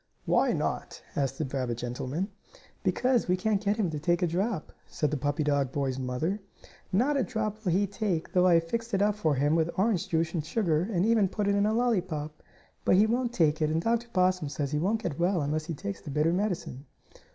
"Why, not?" asked the rabbit gentleman. "Because we can't get him to take a drop," said the puppy dog boy's mother. "Not a drop will he take, though I have fixed it up for him with orange juice and sugar and even put it in a lollypop. But he won't take it, and Dr. Possum says he won't get well unless he takes the bitter medicine."